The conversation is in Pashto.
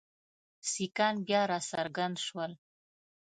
سیکهان بیا را څرګند شول.